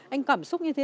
anh cảm xúc như thế